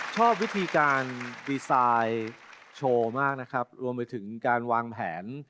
ชอบวิธีการดีไซน์โชว์มากนะครับรวมไปถึงการวางแผน